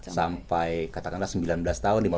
sampai katakanlah sembilan belas tahun